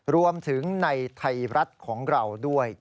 รวมถึงในไทยรัฐของเราด้วย